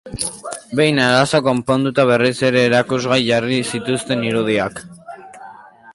Behin arazoa konponduta berriz ere erakusgai jarri zituzten irudiak.